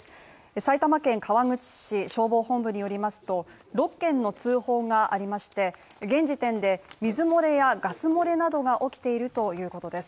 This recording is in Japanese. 埼玉県川口市消防本部によりますと６軒の通報がありまして現時点で水漏れやガス漏れなどが起きているということです。